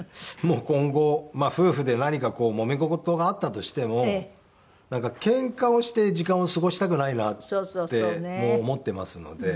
今後夫婦で何かもめ事があったとしてもなんかケンカをして時間を過ごしたくないなって思ってますので。